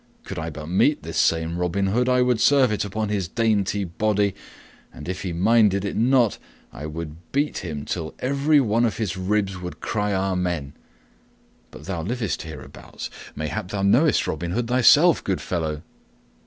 Could I but meet this same Robin Hood I would serve it upon his dainty body, and if he minded it not I would beat him till every one of his ribs would cry Amen. But thou livest hereabouts, mayhap thou knowest Robin Hood thyself, good fellow."